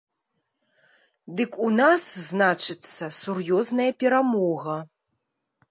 Дык у нас, значыцца, сур'ёзная перамога.